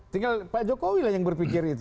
tinggal pak jokowi lah yang berpikir itu